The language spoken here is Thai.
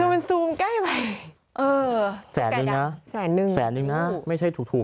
มันซูมใกล้ไปเออแสนนึงนะแสนนึงแสนนึงนะไม่ใช่ถูกถูก